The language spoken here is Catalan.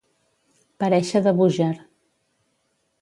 Parèixer de Búger.